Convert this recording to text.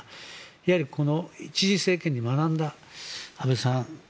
やはりこの１次政権に学んだ安倍さん